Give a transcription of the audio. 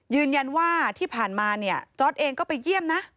ยืนยันว่าที่ผ่านมาเนี่ยจอร์ดเองก็ไปเยี่ยมนะ